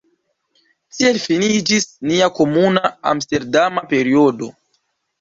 Tiel finiĝis nia komuna Amsterdama periodo.